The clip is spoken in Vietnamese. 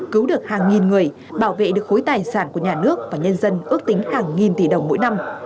cứu được hàng nghìn người bảo vệ được khối tài sản của nhà nước và nhân dân ước tính hàng nghìn tỷ đồng mỗi năm